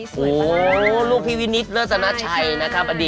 สวยปะครับโอ้โฮลูกพี่วินิสเลิศรัตนะชายนะครับ